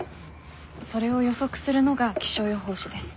それを予測するのが気象予報士です。